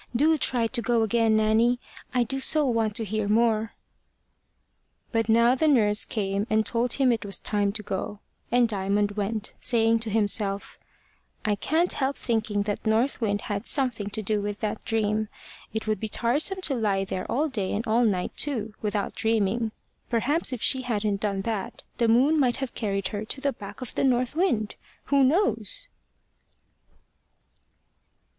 Do try to go again, Nanny. I do so want to hear more." But now the nurse came and told him it was time to go; and Diamond went, saying to himself, "I can't help thinking that North Wind had something to do with that dream. It would be tiresome to lie there all day and all night too without dreaming. Perhaps if she hadn't done that, the moon might have carried her to the back of the north wind who knows?"